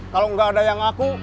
kalau nggak ada yang aku